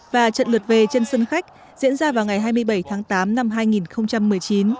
và trận lượt về trên sân khách diễn ra vào ngày hai mươi bảy tháng tám năm hai nghìn một mươi chín